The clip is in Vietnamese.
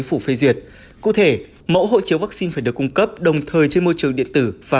phủ phê duyệt cụ thể mẫu hộ chiếu vaccine phải được cung cấp đồng thời trên môi trường điện tử và